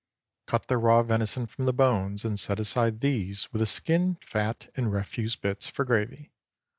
Cut the raw venison from the bones, and set aside these, with the skin, fat, and refuse bits, for gravy.